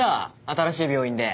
新しい病院で。